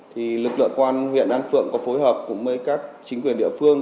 thì lực lượng quan huyện đan phượng có phối hợp cùng với các chính quyền địa phương